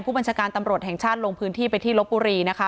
บัญชาการตำรวจแห่งชาติลงพื้นที่ไปที่ลบบุรีนะคะ